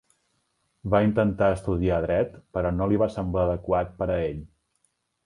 Va intentar estudiar dret, però no li va semblar adequat per a ell.